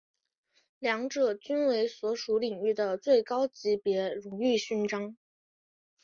两者均为所属领域的最高级别荣誉勋章。